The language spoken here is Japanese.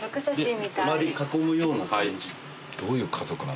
周り囲むような感じ。